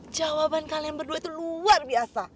jawaban kalian berdua itu luar biasa